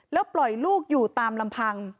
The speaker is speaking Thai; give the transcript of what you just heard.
แล้วปล่อยลูกอยู่ตามลำพัง